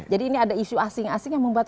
jadi ini ada isu asing asing yang membuat